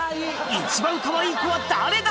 一番かわいい子は誰だ